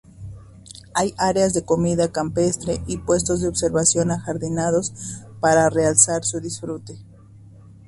Hay áreas de comida campestre y puestos de observación ajardinados para realzar su disfrute.